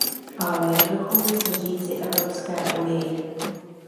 Ale měli bychom něco říci Evropské unii.